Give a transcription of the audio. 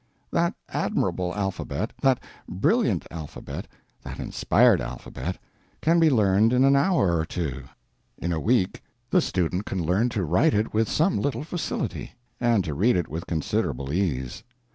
That admirable alphabet, that brilliant alphabet, that inspired alphabet, can be learned in an hour or two. In a week the student can learn to write it with some little facility, and to read it with considerable ease.